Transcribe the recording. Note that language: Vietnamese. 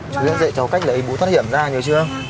chú đã dạy cho cách lấy bố thoát hiểm ra nhớ chưa